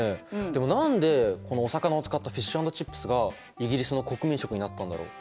でも何でこのお魚を使ったフィッシュ＆チップスがイギリスの国民食になったんだろう？